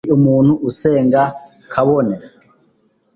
ndi umuntu usenga kabone